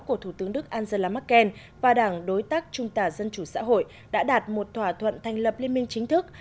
của thủ tướng đức angela merkel và đảng đối tác trung tả dân chủ xã hội đã đạt một thỏa thuận thành lập liên minh chính thức